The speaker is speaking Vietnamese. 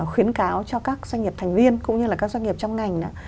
khuyến cáo cho các doanh nghiệp thành viên cũng như là các doanh nghiệp trong ngành